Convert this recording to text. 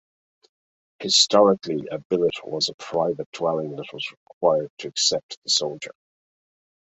Historically, a billet was a private dwelling that was required to accept the soldier.